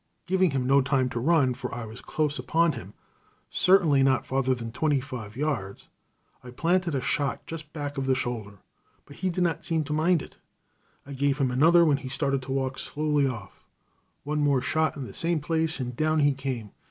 Giving him no time to run, for I was close upon him, certainly not farther than twenty five yards, I planted a shot just back of the shoulder, but he did not seem to mind it. I gave him another when he started to walk slowly off. One more shot in the same place, and down he came.